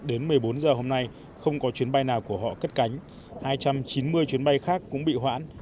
đến một mươi bốn giờ hôm nay không có chuyến bay nào của họ cất cánh hai trăm chín mươi chuyến bay khác cũng bị hoãn